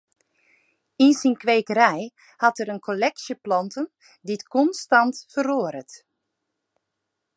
Yn syn kwekerij hat er in kolleksje planten dy't konstant feroaret.